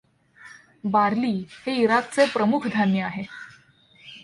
Barley हे इराकचे प्रमुख धान्य आहे.